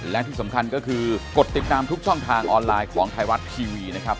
และที่สำคัญก็คือกดติดตามทุกช่องทางออนไลน์ของไทยรัฐทีวีนะครับ